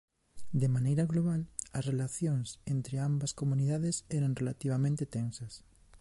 De maneira global as relacións entre ambas comunidades eran relativamente tensas.